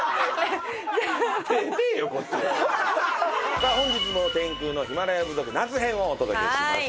さあ本日も天空のヒマラヤ部族夏編をお届けします。